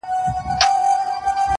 هم په اور هم په اوبو کي دي ساتمه -